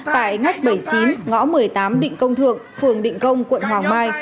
tại ngách bảy mươi chín ngõ một mươi tám định công thượng phường định công quận hoàng mai